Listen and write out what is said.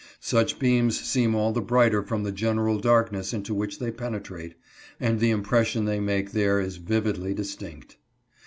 Such beams seem all the brighter from the general darkness into which they penetrate, and the impression they make there is vividly distinct.